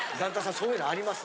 そういうのあります？